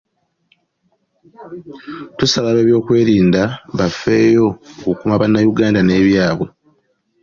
Tusaba abeebyokwerinda bafeeyo okukuuma Bannayuganda ne byabwe .